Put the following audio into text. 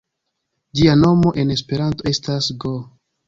Ĝia nomo en Esperanto estas go.